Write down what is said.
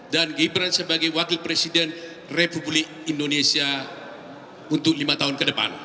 dan gibran sebagai wakil presiden republik indonesia untuk lima tahun ke depan